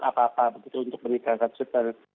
apa apa untuk meningkatkan surveillance